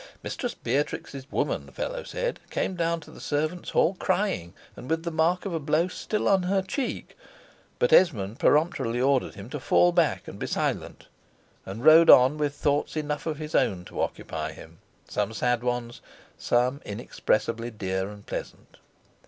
Mistress Beatrix's woman, the fellow said, came down to the servants' hall crying, and with the mark of a blow still on her cheek: but Esmond peremptorily ordered him to fall back and be silent, and rode on with thoughts enough of his own to occupy him some sad ones, some inexpressibly dear and pleasant.